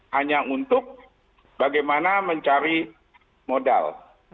hanya untuk bagaimana mencari modal